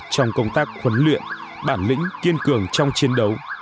trong công tác huấn luyện bản lĩnh kiên cường trong chiến đấu